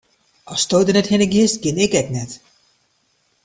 Asto der net hinne giest, gean ik ek net.